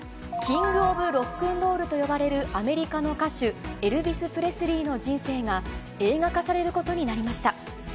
キング・オブ・ロックンロールと呼ばれるアメリカの歌手、エルヴィス・プレスリーの人生が、映画化されることになりました。